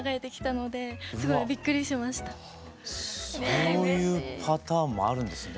そういうパターンもあるんですね。